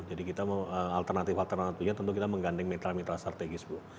jadi kita mau alternatif alternatifnya tentu kita mengganding mitra mitra strategis bu